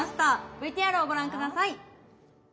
ＶＴＲをご覧下さい。